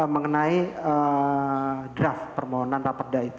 mengenai draft permohonan raperda itu